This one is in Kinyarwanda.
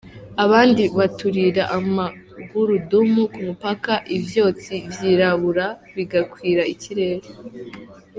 Abandi baturirira amagurudumu ku mupaka, ivyotsi vyirabura bigakwira ikirere.